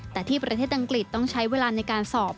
แต่ที่ประเทศอังกฤษต้องใช้เวลาในการสอบ